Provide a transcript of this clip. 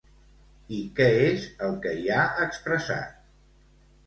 I què és el que hi ha expressat?